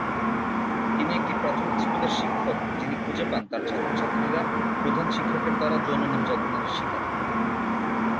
তিনি একটি প্রাথমিক স্কুলের শিক্ষক যিনি খুঁজে পান তার ছাত্র-ছাত্রীরা প্রধান শিক্ষকের দ্বারা যৌন নির্যাতনের শিকার।